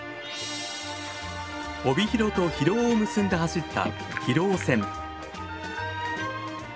帯広と広尾を結んで走った広尾線。